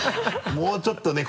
もうちょっとね